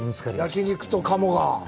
焼き肉と鴨が。